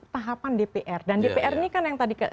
tahapan dpr dan dpr ini kan yang tadi